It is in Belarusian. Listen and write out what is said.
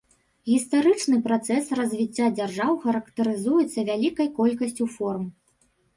Гістарычны працэс развіцця дзяржаў характарызуецца вялікай колькасцю форм.